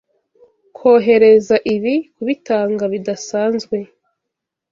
Kohereza ibi kubitanga bidasanzwe.